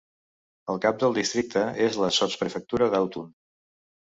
El cap del districte és la sotsprefectura d'Autun.